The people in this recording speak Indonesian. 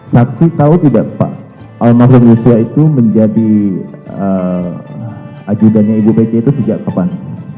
saksi tahu tidak pak almarhum yesua itu menjadi adjudannya ibu peci itu sejak kapan